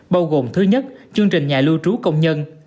bao gồm thứ nhất chương trình nhà lưu trú công nhân